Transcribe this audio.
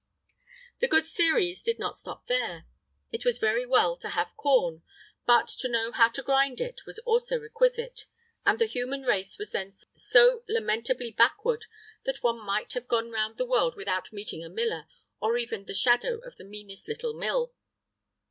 The good Ceres did not stop there; it was very well to have corn, but to know how to grind it was also requisite; and the human race was then so lamentably backward, that one might have gone round the world without meeting a miller, or even the shadow of the meanest little mill.